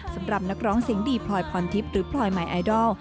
สำหรับนักร้องเสียงดีพลอยพรทิพย์หรือพลอยใหม่ไอดอล